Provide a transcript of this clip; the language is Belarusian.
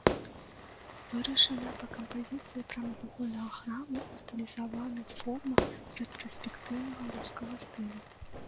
Вырашана па кампазіцыі прамавугольнага храма ў стылізаваных формах рэтраспектыўна-рускага стылю.